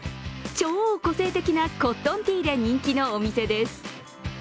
超個性的なコットンティーで人気のお店です。